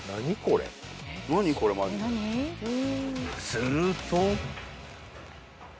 ［すると］